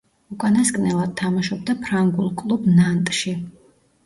უკანასკნელად თამაშობდა ფრანგულ კლუბ „ნანტში“.